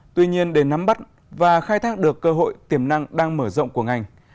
tuy nhiên để nắm bắt và khai thác được cơ hội tiềm năng đang mở rộng của ngành